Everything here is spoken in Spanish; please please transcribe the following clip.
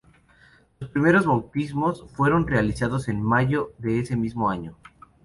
Los primeros bautismos fueron realizados en mayo de ese mismo año.